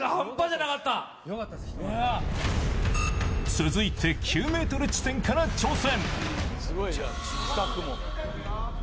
続いて９ｍ地点から挑戦。